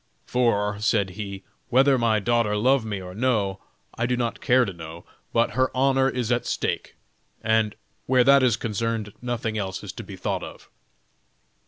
"For," said he, "whether my daughter love me or no, I do not care to know, but her honor is at stake, and where that is concerned, nothing else is to be thought of."